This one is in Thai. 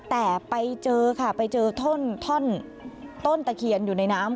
แต่ไปเจอค่ะไปเจอท่อนต้นตะเคียนอยู่ในน้ำ